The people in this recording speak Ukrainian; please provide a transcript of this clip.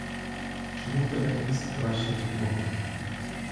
Чому в тебе хвіст кращий від мого?